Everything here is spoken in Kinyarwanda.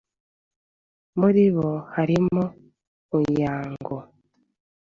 Muri bo harimo Muyango